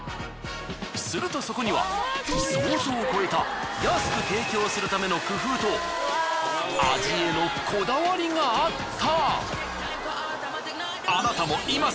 するとそこには想像を超えた安く提供するための工夫と味へのこだわりがあった！